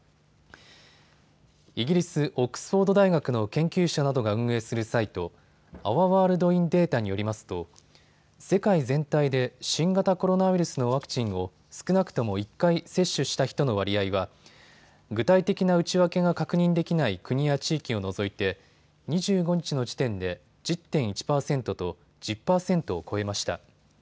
イギリス・オックスフォード大学の研究者などが運営するサイト、アワ・ワールド・イン・データによりますと世界全体で新型コロナウイルスのワクチンを少なくとも１回接種した人の割合は具体的な内訳が確認できない国や地域を除いて２５日の時点で１０．１％と１０％を超えました。